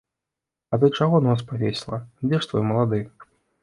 А ты чаго нос павесіла, дзе ж твой малады?